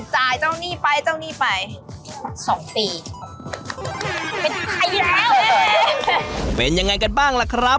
เจ้าหนี้ไปเจ้าหนี้ไปสองปีเป็นใครแล้วเป็นยังไงกันบ้างล่ะครับ